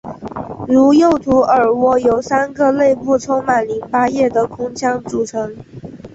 如右图耳蜗由三个内部充满淋巴液的空腔组成。